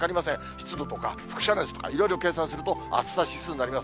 湿度とかふく射熱とかいろいろ計算すると、暑さ指数になります。